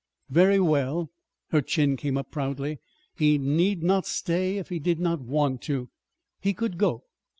Very well her chin came up proudly. He need not stay if he did not want to. He could go.